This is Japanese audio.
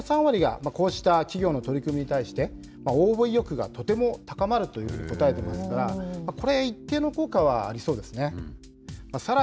これ同じ調査で、学生の３割がこうした企業の取り組みに対して、応募意欲がとても高まると答えていますが、これ、一定の効果はありそうですね。